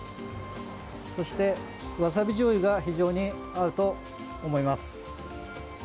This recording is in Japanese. そして、わさびじょうゆが非常に合うと思います。